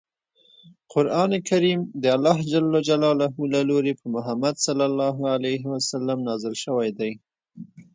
قران کریم دالله ج له لوری په محمد ص نازل شوی دی.